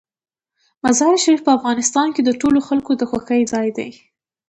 مزارشریف په افغانستان کې د ټولو خلکو د خوښې ځای دی.